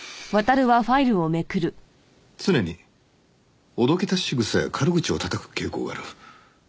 「常におどけた仕草や軽口をたたく傾向がある」